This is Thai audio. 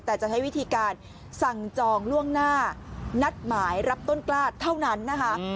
แต่จะใช้วิธีการสั่งจองล่วงหน้านัดหมายรับต้นกล้าเท่านั้นนะคะ